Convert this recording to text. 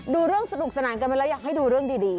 ดูเรื่องสนุกสนานกันไปแล้วอยากให้ดูเรื่องดี